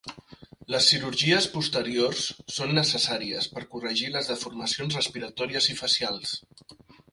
Les cirurgies posteriors són necessàries per corregir les deformacions respiratòries i facials.